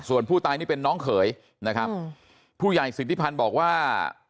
ส่วนผู้ตายนี่เป็นน้องเขยนะครับผู้ใหญ่สิทธิพันธ์บอกว่า